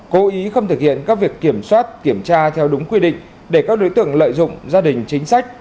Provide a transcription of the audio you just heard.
cố ý không thực hiện các việc kiểm soát kiểm tra theo đúng quy định để các đối tượng lợi dụng gia đình chính sách